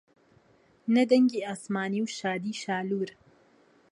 نە دەنگی ئاسمانی و شادیی شالوور